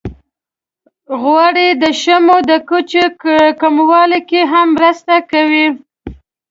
غوړې د شحمو د کچې کمولو کې هم مرسته کوي.